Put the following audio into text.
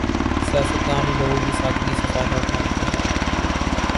سیاست نام ہی لوگوں کی سادگی سے فائدہ اٹھانے کا ہے۔